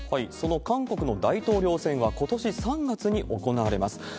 その韓国の大統領選は、ことし３月に行われます。